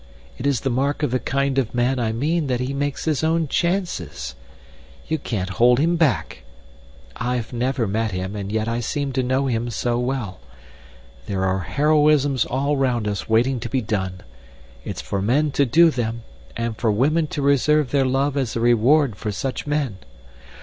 It is the mark of the kind of man I mean that he makes his own chances. You can't hold him back. I've never met him, and yet I seem to know him so well. There are heroisms all round us waiting to be done. It's for men to do them, and for women to reserve their love as a reward for such men.